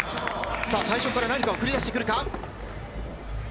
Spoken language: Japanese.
最初から何を繰り出してくるか？